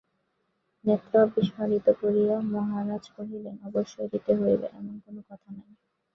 নেত্র বিস্ফারিত করিয়া মহারাজ কহিলেন, অবশ্যই দিতে হইবে, এমন কোনো কথা নাই।